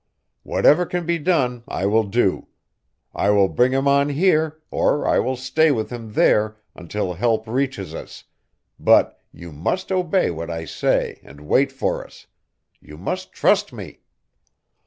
Whatever can be done, I will do. I will bring him on here, or I will stay with him there until help reaches us; but you must obey what I say and wait for us. You must trust me."